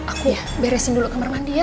aku beresin dulu kamar mandi ya